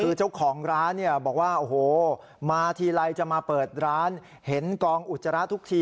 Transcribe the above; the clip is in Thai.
คือเจ้าของร้านเนี่ยบอกว่าโอ้โหมาทีไรจะมาเปิดร้านเห็นกองอุจจาระทุกที